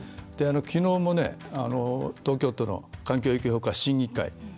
きのうも、東京都の環境影響評価審議会